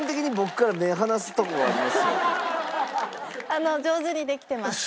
あの上手にできてます。